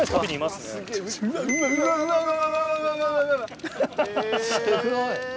すごい。